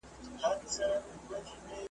په سړو تورو شپو کي `